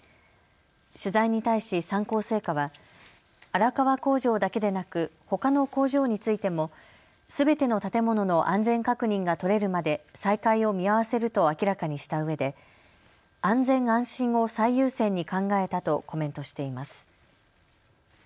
取材に対し三幸製菓は荒川工場だけでなくほかの工場についてもすべての建物の安全確認が取れるまで再開を見合わせると明らかにしたうえで安全安心を最優先に考えたとコメントしています。